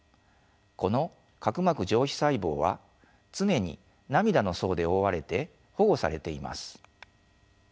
この角膜上皮細胞は常に涙の層で覆われて保護されています。